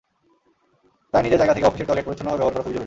তাই নিজের জায়গা থেকে অফিসের টয়লেট পরিচ্ছন্নভাবে ব্যবহার করা খুবই জরুরি।